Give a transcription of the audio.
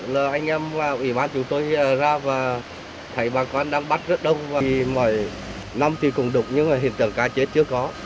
là anh em vào ủy ban chúng tôi ra và thấy bà con đang bắt rất đông và mỗi năm thì cũng đục nhưng mà hiện tượng cá chết chưa có